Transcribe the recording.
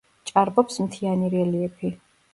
ჭარბობს მთიანი რელიეფი.